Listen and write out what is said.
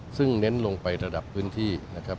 ซึ่งเน้นลงไประดับพื้นที่นะครับ